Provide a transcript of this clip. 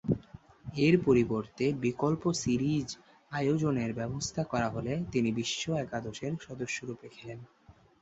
এর পরিবর্তে বিকল্প সিরিজ আয়োজনের ব্যবস্থা করা হলে তিনি বিশ্ব একাদশের সদস্যরূপে খেলেন।